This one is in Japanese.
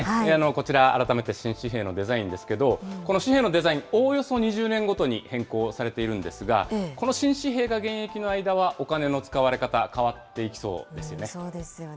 こちら、改めて新紙幣のデザインですけど、この紙幣のデザイン、おおよそ２０年ごとに変更されているんですが、この新紙幣が現役の間はお金の使われ方、変わっていきそうですよ